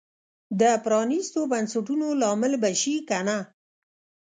د پرانیستو بنسټونو لامل به شي که نه.